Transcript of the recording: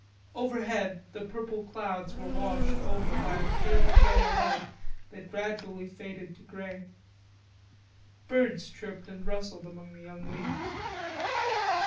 Overhead the purple clouds were washed over by a pale yellow light that gradually faded to grey. Birds chirped and rustled among the young leaves.